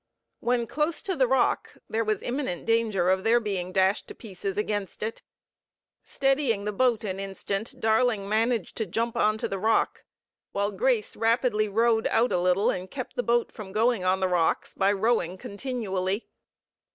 When close to the rock there was imminent danger of their being dashed to pieces against it. Steadying the boat an instant, Darling managed to jump on to the rock, while Grace rapidly rowed out a little and kept the boat from going on the rocks by rowing continually.